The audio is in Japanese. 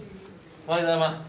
おはようございます。